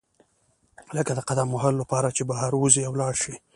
لکه د قدم وهلو لپاره چې بهر وزئ او لاړ شئ.